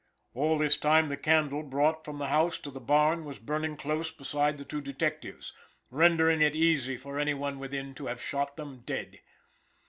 All this time the candle brought from the house to the barn was burning close beside the two detectives, rendering it easy for any one within to have shot them dead.